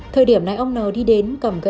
thời điểm này ông n đi đến cầm gậy chân